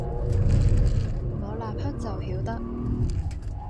我立刻就曉得，